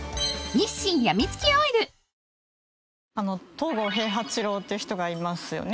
東郷平八郎って人がいますよね。